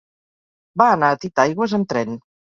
Va anar a Titaigües amb tren.